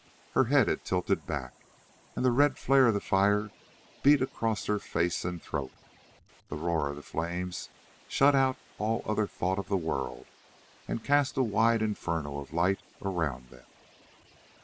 Her head had tilted back, and the red flare of the fire beat across her face and throat. The roar of the flames shut out all other thought of the world and cast a wide inferno of light around them.